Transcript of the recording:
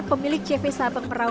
pemilik cv sabang merawak